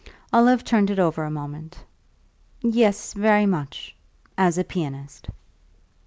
Olive turned it over a moment. "Yes, very much as a pianist!"